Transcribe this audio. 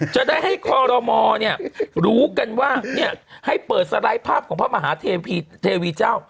จะได้ให้คอรมอรู้กันว่าให้เปิดสไลด์ภาพของพระมหาเทวีเจ้า